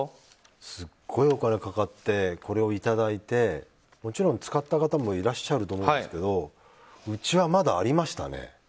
すごいお金かかってこれをいただいてもちろん、使った方もいらっしゃると思うんですけどうちはまだありましたね。